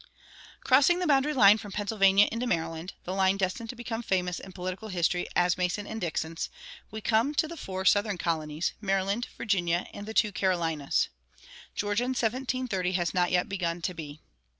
Crossing the boundary line from Pennsylvania into Maryland the line destined to become famous in political history as Mason and Dixon's we come to the four Southern colonies, Maryland, Virginia, and the two Carolinas. Georgia in 1730 has not yet begun to be.